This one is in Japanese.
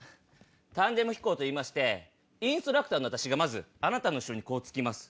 タンデム飛行といいましてインストラクターの私があなたの後ろにこう付きます